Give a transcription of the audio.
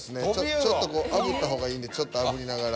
ちょっと炙った方がいいんでちょっと炙りながら。